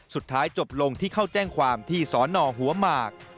สุดท้ายจบลงที่เข้าแจ้งความที่สอนอหัวหมาก